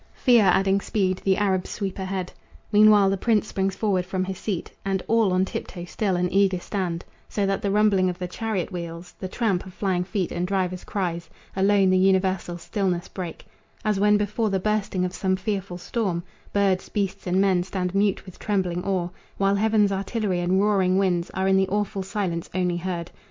Fear adding speed, the Arabs sweep ahead. Meanwhile the prince springs forward from his seat, And all on tiptoe still and eager stand, So that the rumbling of the chariot wheels, The tramp of flying feet and drivers' cries, Alone the universal stillness break As when before the bursting of some fearful storm, Birds, beasts and men stand mute with trembling awe, While heaven's artillery and roaring winds Are in the awful silence only heard.